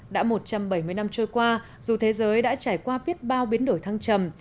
đã một trăm bảy mươi năm trôi qua dù thế giới đã trải qua biết bao biến đổi thăng trầm